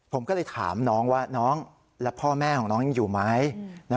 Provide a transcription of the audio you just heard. ผมก็เลยถามน้องว่าน้องแล้วพ่อแม่ของน้องยังอยู่ไหม